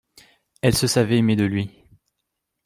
Elle se savait aimée de lui.